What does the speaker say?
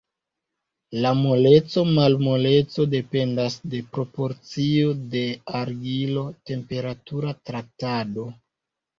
La moleco-malmoleco dependas de proporcio de argilo, temperatura traktado.